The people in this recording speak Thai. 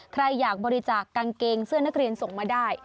ใครอยากบริจาคกางเกงเสื้อนักเรียนส่งมาได้